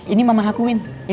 ini mama aku yang telpon